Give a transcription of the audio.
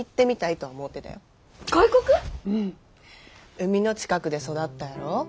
海の近くで育ったやろ？